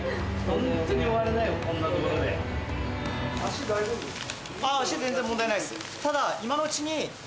足大丈夫ですか？